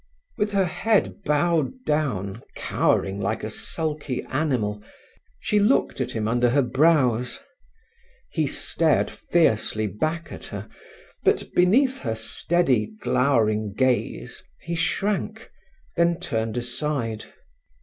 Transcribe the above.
With her head bowed down, cowering like a sulky animal, she looked at him under her brows. He stared fiercely back at her, but beneath her steady, glowering gaze he shrank, then turned aside.